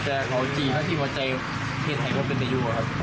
แต่เราจีนและที่หัวใจเครียดไทยก็เป็นไปดู